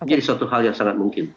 suatu hal yang sangat mungkin